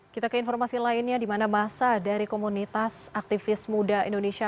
kita ke informasi lainnya di mana masa dari komunitas aktivis muda indonesia